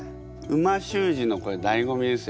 美味しゅう字のこれだいご味です